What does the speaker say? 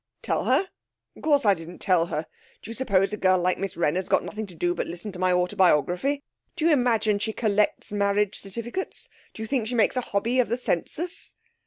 'Tell her! Of course I didn't tell her. Do you suppose a girl like Miss Wrenner's got nothing to do but to listen to my autobiography? Do you imagine she collects marriage certificates? Do you think she makes a hobby of the census?'